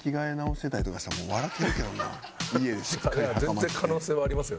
全然可能性はありますよね。